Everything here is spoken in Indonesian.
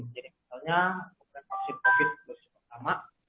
jadi misalnya pemberian vaksin covid sembilan belas pertama